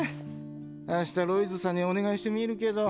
明日ロイズさんにお願いしてみるけど。